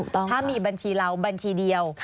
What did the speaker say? ถ้ามีบัญชีเราบัญชีเดียว